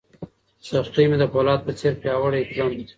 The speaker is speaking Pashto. سختۍ مې د فولاد په څېر پیاوړی کړم.